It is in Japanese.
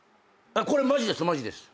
マジですマジです。